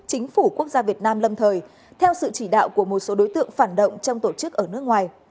chính phủ quốc gia việt nam lâm thời theo sự chỉ đạo của một số đối tượng phản động trong tổ chức ở nước ngoài